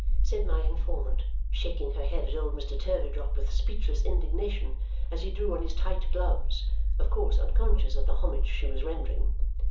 said my informant, shaking her head at old Mr. Turveydrop with speechless indignation as he drew on his tight gloves, of course unconscious of the homage she was rendering.